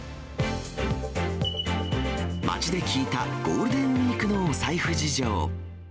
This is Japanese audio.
街で聞いたゴールデンウィークのお財布事情。